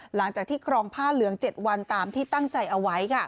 หลังจากที่ครองผ้าเหลือง๗วันตามที่ตั้งใจเอาไว้ค่ะ